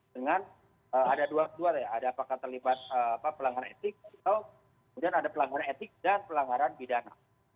dengan ada dua dua ya ada apakah terlibat pelanggaran etik kemudian ada pelanggaran etik dan pelanggaran pidana